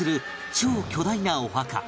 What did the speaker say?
超巨大なお墓